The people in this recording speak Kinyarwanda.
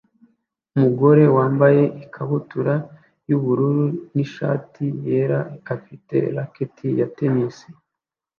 Umugore wambaye ikabutura yubururu nishati yera afite racket ya tennis